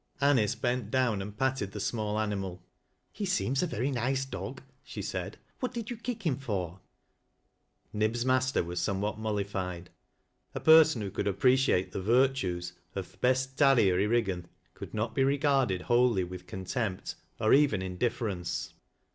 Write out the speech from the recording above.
Anice tent down and patted the small animal. ' He seems a very nice dog," she said. " What did yoB kick him for ?" Nib's master was somewhat mollified. A perscn wh Bculd appreciate the virtues of " th' best tarrier i' Eig gan," could not be regarded wholly with contempt, oi even indifference.